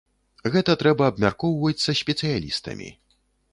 Гэта трэба абмяркоўваць са спецыялістамі.